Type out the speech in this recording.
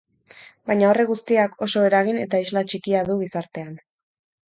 Baina horrek guztiak oso eragin eta isla txikia du gizartean.